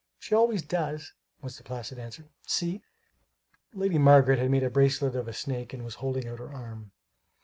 "She always does," was the placid answer. "See!" Lady Margaret had made a bracelet of a snake and was holding out her arm.